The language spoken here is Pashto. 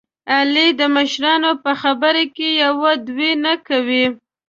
علي د مشرانو په خبره کې یوه دوه نه کوي.